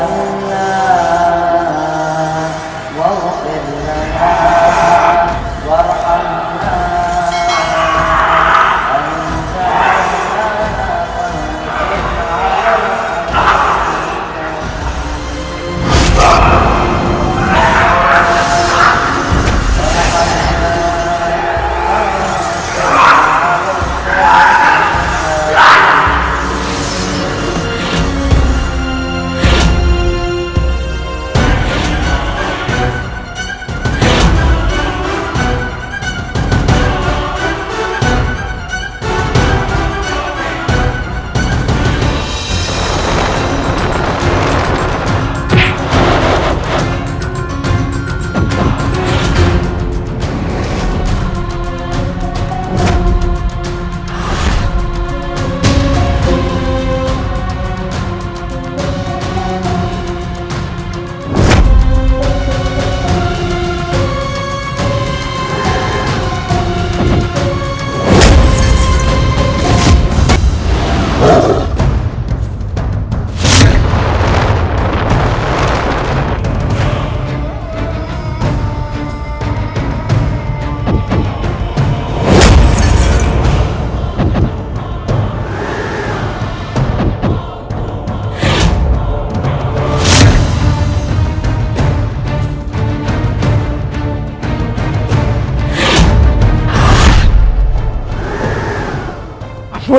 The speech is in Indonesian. ibu bertahan bu